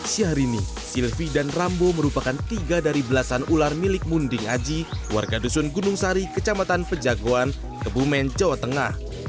syahrini silvi dan rambo merupakan tiga dari belasan ular milik munding aji warga dusun gunung sari kecamatan pejagoan kebumen jawa tengah